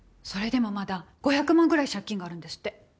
それでもまだ５００万ぐらい借金があるんですって。